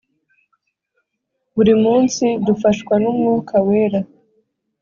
Buri munsi dufashwa n’umwuka wera